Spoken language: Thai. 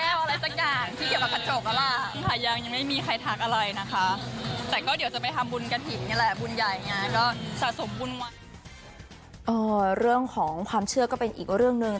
เอ่อเรื่องของความเชื่อก็อีกเรื่องหนึ่ง